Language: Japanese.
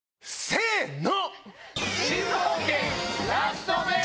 せの！